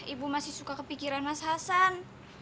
ibu masih suka kepikiran mas hasan